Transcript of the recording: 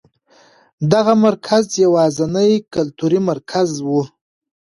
دغه مرکز یوازېنی کلتوري مرکز و.